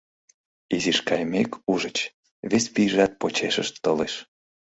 Изиш кайымек, ужыч: вес пийжат почешышт толеш.